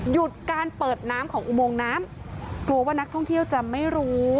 หยุดการเปิดน้ำของอุโมงน้ำกลัวว่านักท่องเที่ยวจะไม่รู้